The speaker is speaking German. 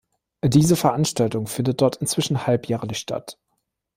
Diese Veranstaltung findet dort inzwischen halbjährlich statt.